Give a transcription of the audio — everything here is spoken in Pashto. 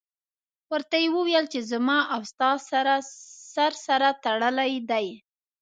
ورته یې وویل چې زما او ستا سر سره تړلی دی.